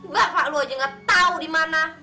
bapak lu aja gak tau di mana